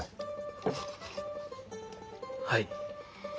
はい。